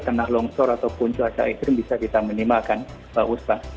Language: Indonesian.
tenah longshore ataupun cuaca ekstrim bisa kita menimbulkan pak ustaz